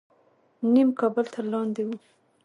نیم کابل تر لاندې و.